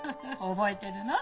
覚えてるの？